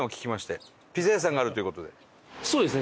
そうですね。